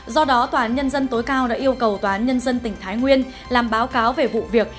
do đó tòa án nhân dân tối cao đã yêu cầu tòa án nhân dân tỉnh thái nguyên làm báo cáo về vụ việc